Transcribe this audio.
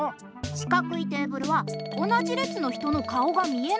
しかくいテーブルは同じれつの人の顔が見えない。